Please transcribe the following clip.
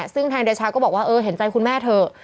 ซึ่งทางเดชาก็บอกว่าเออเห็นใจคุณแม่เถอะ